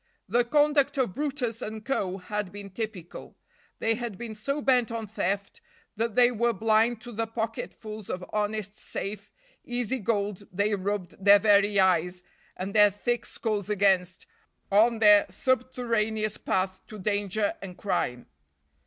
The conduct of brutus and co. had been typical. They had been so bent on theft, that they were blind to the pocketfuls of honest, safe, easy gold they rubbed their very eyes and their thick skulls against on their subterraneous path to danger and crime.